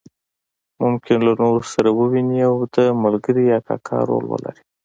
ممکن له نورو سره وویني او د ملګري یا کاکا رول ولري.